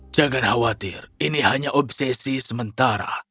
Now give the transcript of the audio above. jangan khawatir ini hanya obsesi sementara